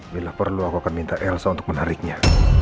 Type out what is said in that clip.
bila perlu aku akan minta elsa untuk menariknya